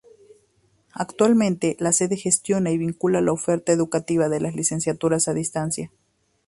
Actualmente, la Sede gestiona y vincula la oferta educativa de las licenciaturas a distancia.